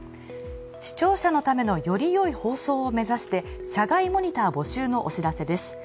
視聴者のためのよりよい放送を目指して社外モニター募集のお知らせです。